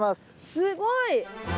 すごい！